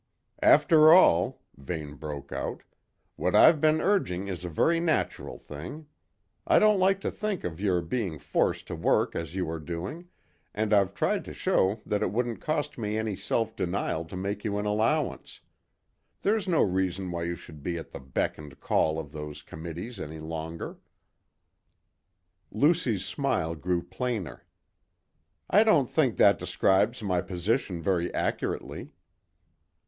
"After all," Vane broke out, "what I've been urging is a very natural thing. I don't like to think of your being forced to work as you are doing, and I've tried to show that it wouldn't cost me any self denial to make you an allowance. There's no reason why you should be at the beck and call of those committees any longer." Lucy's smile grew plainer. "I don't think that describes my position very accurately."